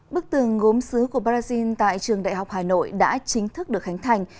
bức tường gốm xứ của brazil tại trường đại học hà nội đã chính thức được khánh thành